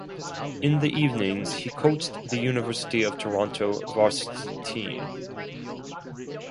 In the evenings, he coached the University of Toronto varsity team.